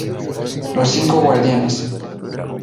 Los cinco guardianes"